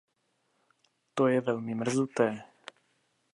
To je velmi mrzuté.